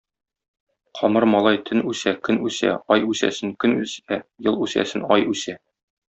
Камыр малай төн үсә, көн үсә, ай үсәсен көн үсә, ел үсәсен ай үсә.